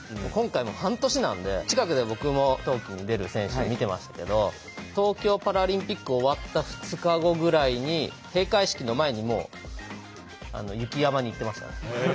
今回半年なんで近くで僕も冬季に出る選手見てましたけど東京パラリンピック終わった２日後ぐらいに閉会式の前にもう雪山に行ってましたね。